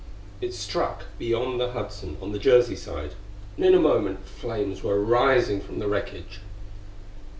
It struck beyond the Hudson on the Jersey side, and in a moment flames were rising from the wreckage.